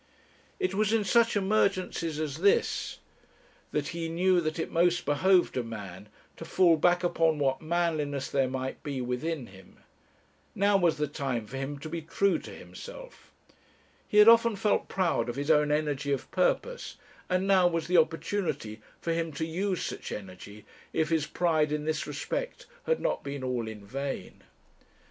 It was in such emergencies as this that he knew that it most behoved a man to fall back upon what manliness there might be within him; now was the time for him to be true to himself; he had often felt proud of his own energy of purpose; and now was the opportunity for him to use such energy, if his pride in this respect had not been all in vain.